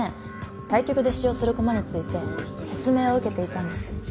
対局で使用する駒について説明を受けていたんです。